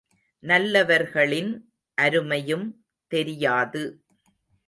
நல்லவர்களின் அருமையும் தெரியாது.